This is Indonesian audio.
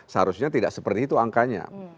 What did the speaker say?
seharusnya tidak seperti itu angkanya